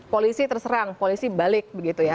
polisi terserang polisi balik begitu ya